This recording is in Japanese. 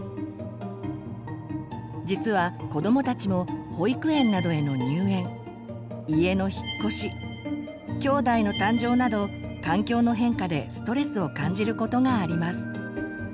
実は子どもたちも保育園などへの入園家の引っ越しきょうだいの誕生など環境の変化でストレスを感じることがあります。